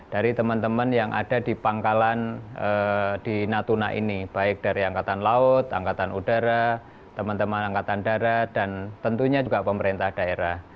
dari teman teman yang ada di pangkalan di natuna ini baik dari angkatan laut angkatan udara teman teman angkatan darat dan tentunya juga pemerintah daerah